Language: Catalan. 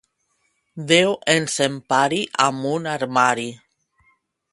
Déu ens empari amb un armari.